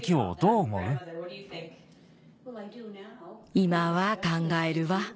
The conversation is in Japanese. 今は考えるわ。